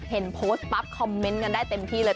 เห็นโพสต์ปั๊บคอมเมนต์กันได้เต็มที่เลย